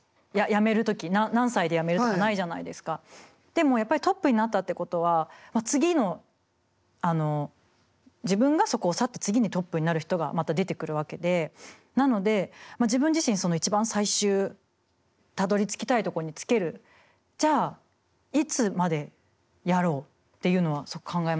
でもやっぱりトップになったってことは次のあの自分がそこを去って次にトップになる人がまた出てくるわけでなので自分自身一番最終たどりつきたいところにつけるじゃあいつまでやろうっていうのは考えましたね。